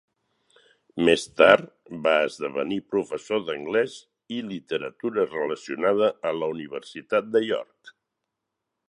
Més tard va esdevenir professor d'anglès i literatura relacionada a la Universitat de York.